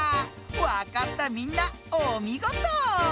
わかったみんなおみごと。